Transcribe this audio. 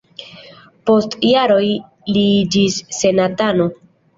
Post jaroj li iĝis senatano.